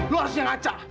lo harusnya ngaca